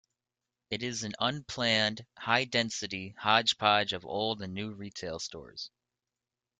It is an unplanned, high density hodge-podge of old and new retail stores.